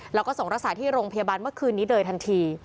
แล้วก็ส่งรักษาที่โรงพยาบาลเมื่อคืนนี้โดยทันที